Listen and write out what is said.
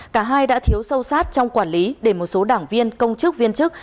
cả hai đã thiếu sâu sát trong quản lý để một số đảng viên công chức viên chức